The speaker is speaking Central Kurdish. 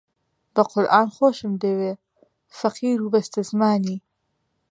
بە قورئان خۆشم دەوێ فەقیر و بەستەزمانی